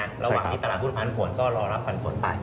ระหว่างนี้ตารางพูดพันธุ์ผลก็รอรับพันธุ์ผลไป